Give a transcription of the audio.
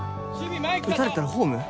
打たれたらホーム？